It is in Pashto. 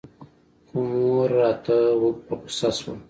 خو مور راته په غوسه سوه.